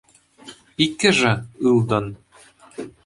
Иккӗшӗ – ылтӑн.